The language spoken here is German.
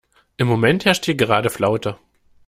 Im Moment herrscht hier gerade Flaute.